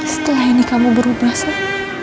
setelah ini kamu berubah sih